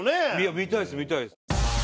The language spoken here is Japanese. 見たいです見たい。